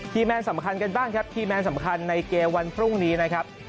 แมนสำคัญกันบ้างครับคีแมนสำคัญในเกมวันพรุ่งนี้นะครับ